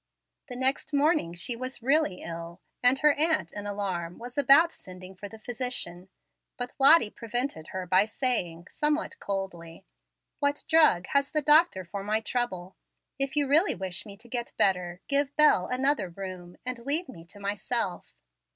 The next morning she was really ill, and her aunt, in alarm, was about sending for the physician, but Lottie prevented her by saying, somewhat coldly, "What drug has the doctor for my trouble? If you really wish me to get better, give Bel another room, and leave me to myself.